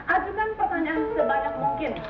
ajukan pertanyaan sebanyak mungkin